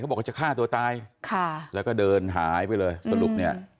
บอกว่าจะฆ่าตัวตายค่ะแล้วก็เดินหายไปเลยสรุปเนี่ย